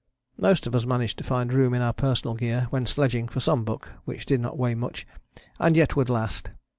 Most of us managed to find room in our personal gear when sledging for some book which did not weigh much and yet would last.